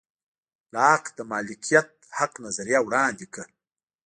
لاک د مالکیت حق نظریه وړاندې کړه.